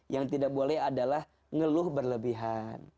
yang tidak boleh adalah ngeluh berlebihan